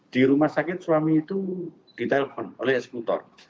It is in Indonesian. di rumah sakit suami itu ditelepon oleh eksekutor